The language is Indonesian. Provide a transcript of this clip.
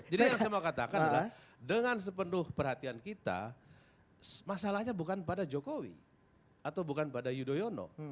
jadi yang saya mau katakan adalah dengan sepenuh perhatian kita masalahnya bukan pada jokowi atau bukan pada yudhoyono